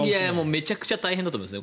めちゃくちゃ大変だと思います。